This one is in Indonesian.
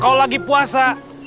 kalau lagi puasa dengar